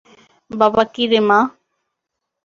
বাবা কী রে মা?